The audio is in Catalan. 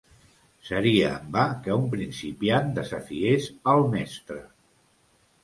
Seria en va que un principiant desafiés al mestre.